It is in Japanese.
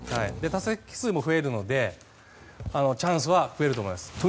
打席数も増えるのでチャンスは増えると思います。